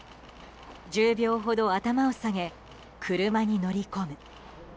１０秒ほど頭を下げ車に乗り込む。